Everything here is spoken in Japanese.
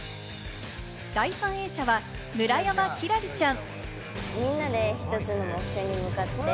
第３泳者は村山輝星ちゃん。